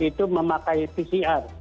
itu memakai pcr